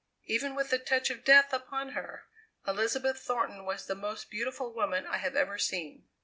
Even with the touch of death upon her, Elizabeth Thornton was the most beautiful woman I have ever seen.